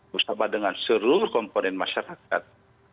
bersama dengan seluruh komponen masyarakat